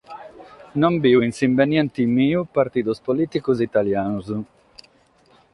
Non bido in s’imbeniente meu partidos polìticos italianos.